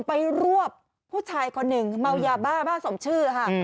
ไปรวบผู้ชายคนหนึ่งเมายาบ้าบ้าสมชื่อค่ะ